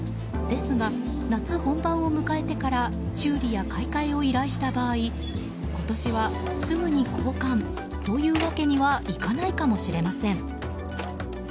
ですが、夏本番を迎えてから修理や買い替えを依頼した場合今年はすぐに交換というわけにはいかないかもしれません。